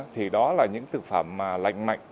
thì đó là những thực phẩm lành mạnh